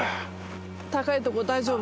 高いとこ大丈夫？